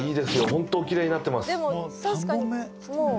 ホントお奇麗になってます。